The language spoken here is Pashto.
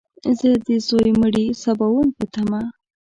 زه د ځوی مړي سباوون په تمه !